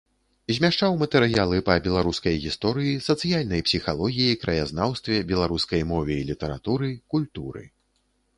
Змяшчаў матэрыялы па беларускай гісторыі, сацыяльнай псіхалогіі, краязнаўстве, беларускай мове і літаратуры, культуры.